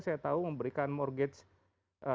saya tahu memberikan mortgage